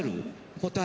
答え。